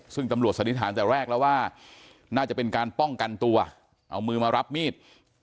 ซึ่งตำรวจสันนิษฐานแต่แรกแล้วว่าน่าจะเป็นการป้องกันตัวเอามือมารับมีด